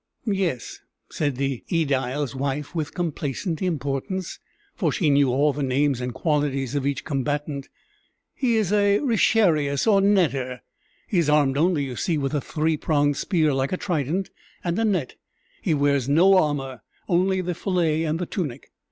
"Yes," said the aedile's wife with complacent importance, for she knew all the names and qualities of each combatant: "he is a retiarius or netter; he is armed only, you see, with a three pronged spear like a trident, and a net; he wears no armor, only the fillet and the tunic.